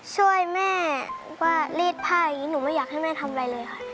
ช่วยแม่ว่ารีดผ้าอย่างนี้หนูไม่อยากให้แม่ทำอะไรเลยค่ะ